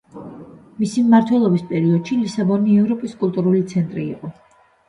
მისი მმართველობის პერიოდში ლისაბონი ევროპის კულტურული ცენტრი იყო.